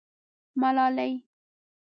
_ملالۍ.